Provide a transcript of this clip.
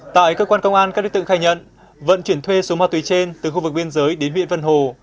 tại cơ quan công an các đối tượng khai nhận vận chuyển thuê số ma túy trên từ khu vực biên giới đến huyện vân hồ